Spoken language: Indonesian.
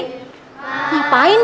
ngapain dia dihantar